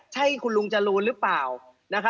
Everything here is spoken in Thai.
ใช่คุณลุงจรูนหรือเปล่า